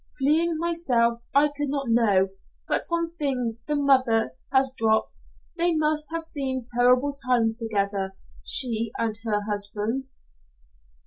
Fleeing myself, I could not know, but from things the mother has dropped, they must have seen terrible times together, she and her husband."